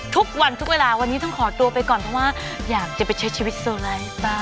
ทุกวันทุกเวลาวันนี้ต้องขอตัวไปก่อนเพราะว่าอยากจะไปใช้ชีวิตโซไลท์บ้าง